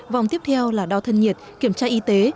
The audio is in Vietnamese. vòng tiếp theo là đo thân nhiệt kiểm tra y tế